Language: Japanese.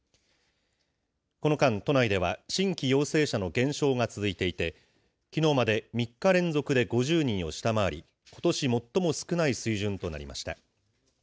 この間、都内では新規陽性者の減少が続いていて、きのうまで３日連続で５０人を下回り、ことし最も少ない水準となりました。